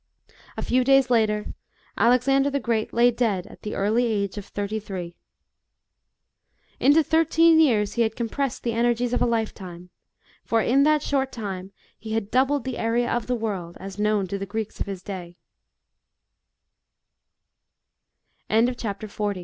A few days later, Alexander the Great lay dead at the early age of thirty three. Into .thirteen ^ears he had compressed the anergies of a lifetime, for in that short time he had doubled the area of the world, as known to the